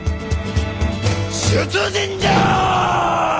出陣じゃ！